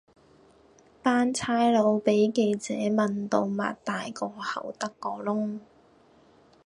班差佬比記者問到擘大個口得個窿